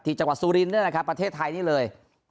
ที่จังหวัดสุรินด้วยนะครับประเทศไทยนี่เลย